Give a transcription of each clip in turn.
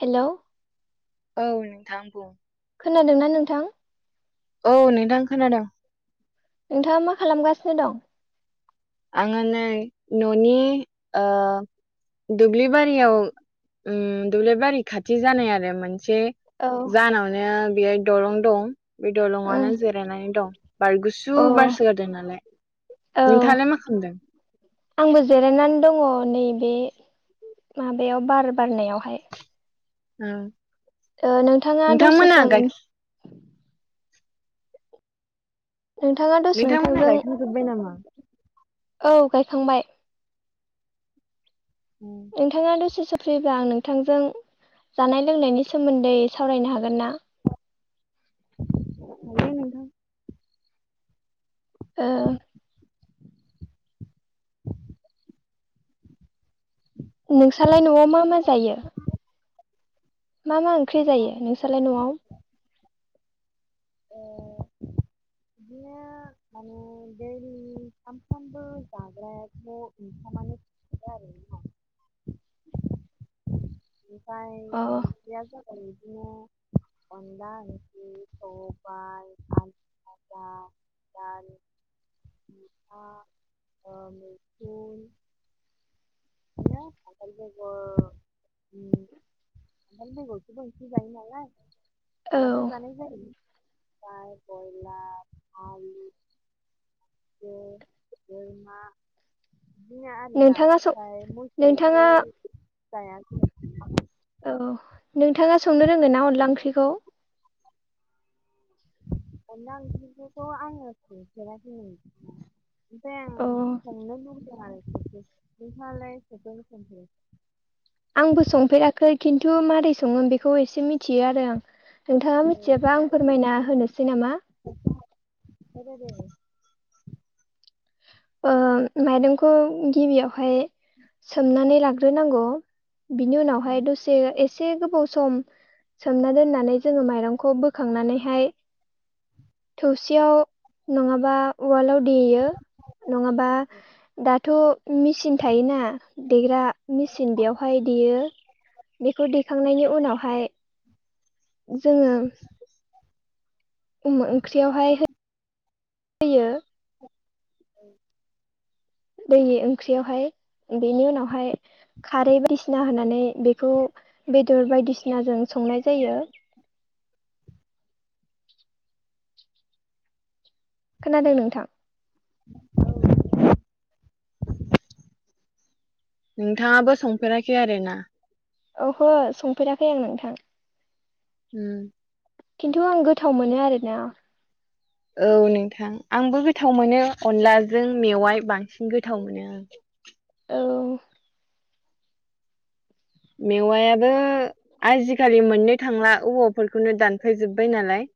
Hello औ नोंथां बुं। खोनादोंना नोंथां? औ नोंथां खोनादोंं। नोंथाङा मा खालामगासिनो दं? आङो नै न'नि ओ- दुब्लि बारियाव उम दुब्लिबारि खाथि जानाय आरो मोन एसे औ जानावनो बेहाय दलं दं। बे दलंआनो ओं जिरायनानै दं बारगुसु अ बारसो गारदों नालाय औ नोंथाङालाय माख आंबो जिरायनानै दङ नैबे। माबायाव बार बारनायावहाय। ओम। ओ-नोंथाङा दसे सम। नोंथाङा दसे नोंथांमोना नोंथांजों गायखांजोब्बाय नामा? औ गायखांबाय। नोंथाङा दसे सम। फ्रिब्ला आं नोंथांजों जानाय लोंनायनि सोमोन्दै सावरायनो हागोन ना? हायो नोंथां। ओ- नोंसालाय न'आव मा मा जायो? मा मा ओंख्रि जायो नोंसालाय न'आव? ओ बिदिनो [unintelligible] [unintelligible] सानफ्रोमबो जाग्रायाथ' ओंखामानो [unintelligible] ओमफ्राय अ ओंख्रिया जाबाय बिदिनो [inaudible] अनला ओंख्रि सबाय आलु फाजा दालि मैथा, ओ-मैखुन। बेगर उम खान्थाल जायो नालाय औ मालाबा जानाय जायो। ओमफ्राय बयलार आलु मा बिदिनो आरोना नोंथाङा सं ओमफ्राय मोसौखौ नोंथाङा जाया। औ नोंथाङा संनो रोंङोन ना अनला ओंख्रिखौ? अनला ओंख्रिखौथ' आङो च अ [unintelligible] उालाय सगोन सन्द [inaudible] आंबो संफेराखै खिन्थु मारै सङोम बेखौ एसे मिथियो आरो आं। नोंथाङा औ मिथियाबा आं आंबो फोरमायना होनोसै नामा? होदोदे दे [unintelligible] ओ माइरंखौ गिबियावहाय सोमनानै लाग्रोनांगौ बिनि उम उनावहाय दसे एसे गोबाव सम सोमना दोननानै जोङो माइरंखौ बोखांनानैहाय थौसियाव नङाबा उवालाव देयो। नङाबा दाथ' मेचिन थायोना देग्रा मेचिन बेयावहाय देयो। बेखौ दैखांनायनि उनावहाय जोङो उम ओंख्रियावहाय होयो। [inaudible] दै ओंख्रियावहाय बेनि उनावहाय खारै बायदिसिना होनानै बेखौ बेदर बायदिसिनाजों संनाय जायो। खोनादों नोंथां? नोंथाङाबो संफेराखै आरोना? ओहो संफेराखै आं नोंथां। उम। खिन्थु आं गोथाव मोनो आरोना। औ नोंथां। आंबो गोथाव मोनो अनलाजों मेवाइ बांसिन गोथाव मोनो आं। औ। मेवायाबो आजिखालि मोननो थांला औबवाफोरखौनो दान फैजोब्बाय नालाय।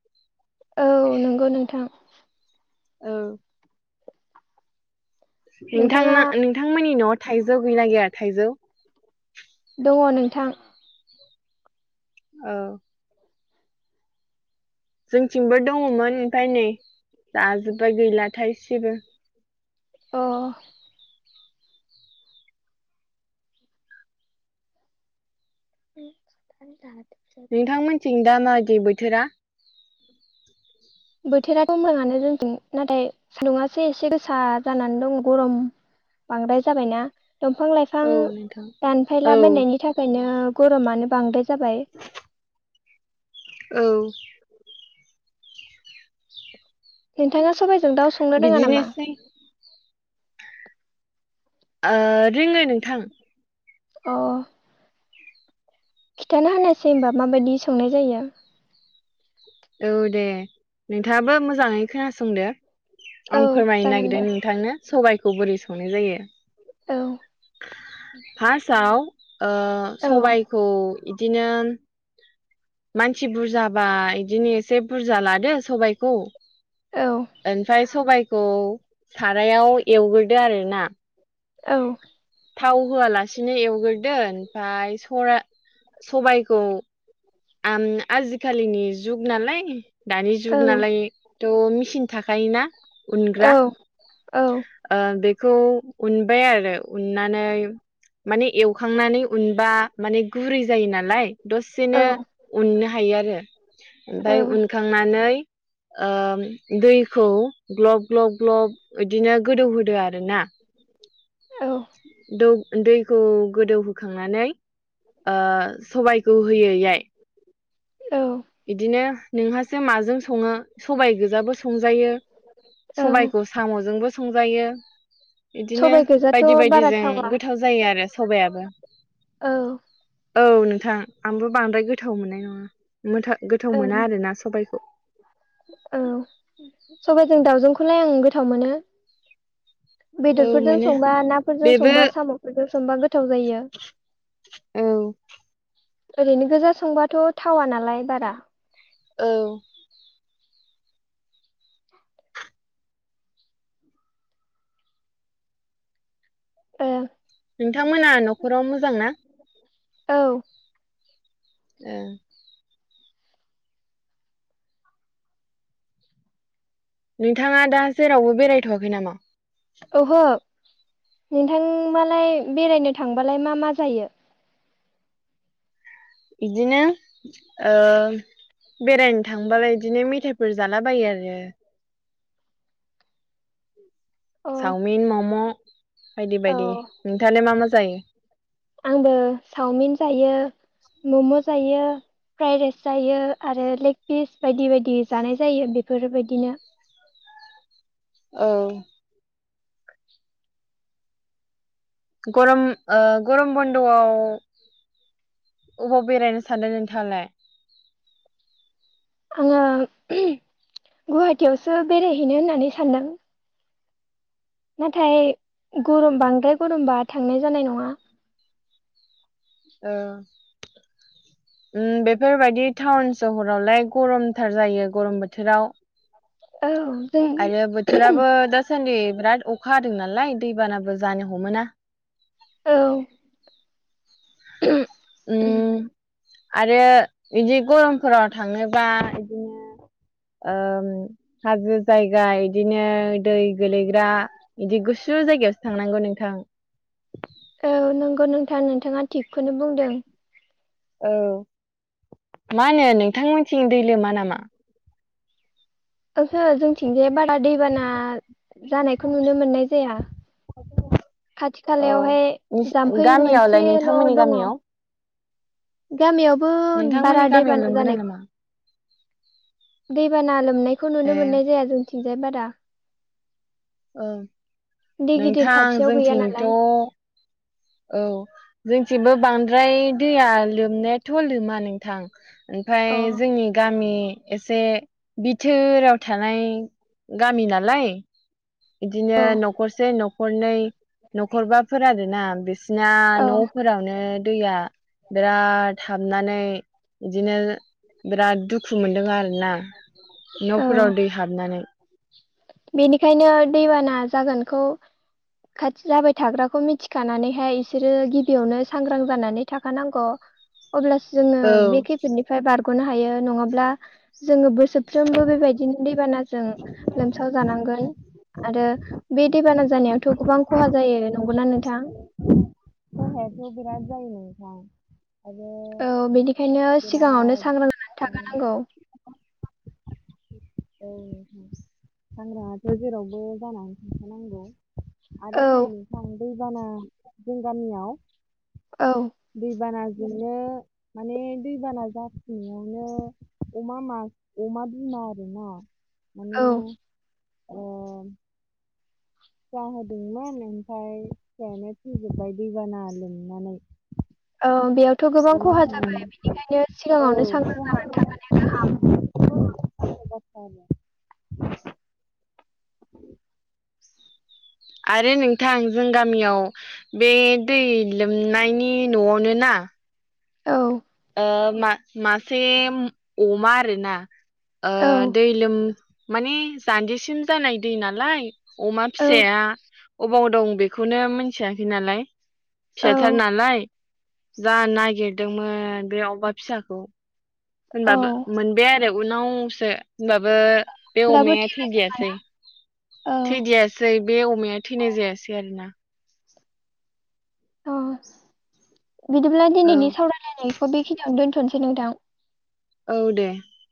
औ नंगौ नोंथां। औ नोंथां नोंथाङा नोंथांमोननि न'आव थाइजौ गैगोनना गैया थाइजौ? दङ नोंथां। औ। जोंथिंबो दङमोन ओमफ्राय नै जाजोब्बाय गैलाथायसेबो। अ! ज [unintelligible] नोंथांमोनथिं दा माबायदि बोथोरा? बोथोराथ' मोाङानो जोंजों नाथाय सान्दुंङासो एसे गोसा जानानै दं गरम बांद्राय जाबायना दंफां औ लाइफां नोंथां दानफायला औ बनायनि थाखायनो गरमानो बांद्राय जाबाय? औ नोंथाङा सबबायजों दाउ संनो रोङा नामा? बिदिनोसै ओ रोङो नोंथां अ खिन्थाना हानायसै होमबा माबायदि संनाय जायो औ दे नोंथाङाबो मोजाङै खोनासंदो आं औ फोरमायनो जागोन दे नागिरदों नोंथांनो सबाइखौ बोरै संनाय जायो औ फार्स्टआव औ सबायखौ बिदिनो मानसि बुरजाबा बिदिनो एसे बुरजा लादो सबायखौ औ ओमफ्राय सबायखौ सारायाव एवग्रोदो आरोना औ थाव होआलासेनो एवग्रोदो ओमफफ्राय सरा सबायखौ आम आजिखालिनि जुग नालाय दानि जुग औ नालायथ' मेचिन थाखायोना औ उनग्रा औ बे खौ उनबाय आरो उननानै माने एवखांनानै उनबा माने गुरै जायो नालाय दसेनो उननो हायो आरो ओमफ्राय उनखांनानै दैखौ ग्लब ग्लब ग्लब बिदिनो गोदौहोदो आर ना औ [inaudible] द दैखौ गोदौहोखांनानै सबायखौ होयैहाय औ बिदिनो नोंहासो माजों सङो सबाय गोजाबो संजायो औ सबायखौ साम'जोंबो संजायो बिदिनो सबाइ गोजाथ' बायदि बारा बायदिजों थावा गोथाव जायो आरो सबायाबो औ। औ नोंथां आंबो बांद्राय गोथाव मोननाय नङा गोथाव औ मोना आरोना सबायखौ औ सबाइजों दाावजोंखौलाय आं गोथाव मोनो औ बेदरफोरजों मोनो संबा नाफोरजों बेबो संबा साम'फोरजों संबा गोथाव जायो औ ओरैनो गोजा संबाथ' थावा नालाय बारा औ एम। नोंथांमोना न'खराव मोजां ना औ ए। नोंथाङा दा जेरावबो बेरायथ'वाखै नामा अह नोंथां आलाय बेरायनो थांबालाय मा मा जायो बिदिनो ओ बेरायनो थांबाबा बिदिनो मेथायाइफोर जालाबायो आरो अ चावमिन मम' बायदि औ बायदि नोंथाङा मा मा जायो आंबो चावमिन जायो मम' जायो फ्राइ राइस जायो आरो लेग पिस बायदि बायदि जानाय जायो बेफोरबायदिनो औ गरम गरम बन्द'आव। अबाव बेरायनो सानदों नोंथाङालाय आङो गुवाहाटियावसो बेरायहैनो होननानै सानदों नाथाय गरम बांद्राय गरमबा थांनाय जानाय नङा ओ ओम बेफोर बायदि थाउन सह'रावलाय गरमथार जायो गरम बोथोराव औ आरो जों बोथोराबो दासान्दि ब्राद अखा हादों नालाय दै बानाबो जानो हमो ना औ उम [unintelligible] आरो बिदि गरमफोराव थाङोबा बिदिनो [inaudible] ओम हाजो जायगा इदिनो दै गोलैग्रा इदि गुसु जाय गायावसो थांनांगौ नोंथां । औ नोंगौ नोंथां नोंथाङा थिगखौनो बुंदों । औ मानो नोंथांमोनथिं दै लोमा नामा? ओहो जोंथिंजाय बारा दैबाना जानायखौ नुनो मोननाय जाया । खाथि औ खालायावहाय जाम्फै गामियावलाय मोनसेल' नोंथांमोननि दङ । गामियाव गामियावबो बारा नोंथांमोननि गामियाव दैबाना लोमगोना जानाय लोमा? दै बाना लोमनायखौ नुनो ए मोननाय जाया जोंथिंजाय बारा । औ दै गिदिर नोंथां खाथियाव गैया जोंथिंथ' नालाय औ जोंथिबो बांद्राय दैया लोमनायाथ' लोमा नोंथां ओमफाय अ जोंनि गामि एसे बिथोराव थानाय गामि नालाय इदिनो औ न'खरसे न'खरनै न'खरबाफोर आरो ना बे ना औ न'फोरावनो दैया बिराद हाबनानै बिदिनो बिराद दुखु मोनदों आरो । औ हाबनानै बेनिखायनो दैबाना जागोनखौ खाथि जाबाय थाग्राखौ मिथिखानानैहाय इसोरो गिबियावनो सांग्रां जानानै थाखानांग' । अब्लासो जोङो औ बे खैफोदनिफ्राय बारग'नो हायो नङाब्ला जोङो बो सोरफ्रोमबो बेबायदिनो दैबानाजों लोमसाव जानांगोन । आरो बे दैबाना जानायावथ' गोबां ख'हा जायो नंगौना नोंथां? जानायाथ' बिराद जायो नोंथां आरो औ बेनिखायनो सिगाङावनो बिराद सांग्रां जानानै माने थाखानांगौ । औ सांग्राङाथ' जेरावबो जानानै थाखा नांगौ । आरो नै औ नोंथां दैबाना जों गामियाव औ दै बानाजोंनो माने दैबाना जाफिन्नो अमा मा अमा बिमा दंङ माने औ ओ जाहोदोंमोन ओमफ्राय फिसायानो थैजोब्बाय दै बाना लोमनानै । औ बेयावथ' गोबां खहा जाखायनो अमा सिगाङावनो होन सांग्रां औ [unintelligible] [unintelligible] आरो नोंथां जों गामियाव बे दै लोमनायनि न'आवनो ना आ औ ओ मा मासे ओम अमा आरोना ओ औ दै लोम माने जान्जिसिम जानाय दै नालाय अमा औ फिसाया अ'बाव दं बेखौनो मोन्थियाखै नालाय फिसाथार औ नालाय जा नागिरदोंमोन बे अमा फिसाखौ होनबाबो औ मोनबाय आरो । उनावसो होनबाबो बे अब्लाबो अमाया थैदियासै । औ थैदियासै बे अमाया थैनाय जायासै आरो ना । अ बिदिब्ला औ दिनैनि सावरायलायनाय बेखिनियावनो दोन्थ'नोसै नोंथां । औ दे ।